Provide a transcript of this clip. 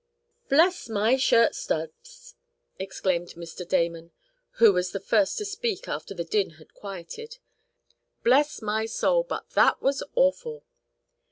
"Bless my shirt studs!" exclaimed Mr. Damon, who was the first to speak after the din had quieted. "Bless my soul! But that was awful!"